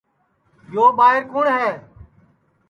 یو ٻائیر کُوٹؔ ہے